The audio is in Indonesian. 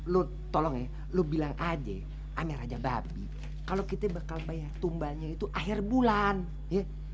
lu tolong ya lu bilang aja aneh raja babi kalau kita bakal bayar tumbalnya itu akhir bulan ya